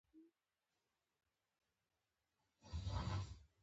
هند د لومړي شل اووريز جام اتل سو.